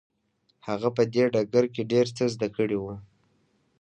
هغه په دې ډګر کې ډېر څه زده کړي وو.